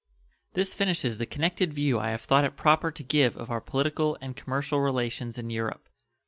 This finishes the connected view I have thought it proper to give of our political and commercial relations in Europe.